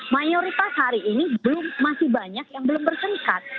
mayoritas hari ini masih banyak yang belum bersengkat